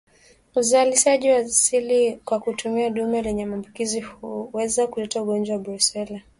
Uzalishaji wa asili kwa kutumia dume lenye maambukizi huweza kuleta ugonjwa wa Brusela